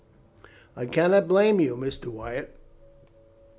"I cannot blame you, Mr. Wyatt.